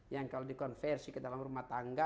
yang kalau dikonversi ke dalam rumah tangga